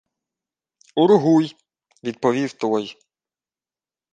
— Ургуй, — відповів той.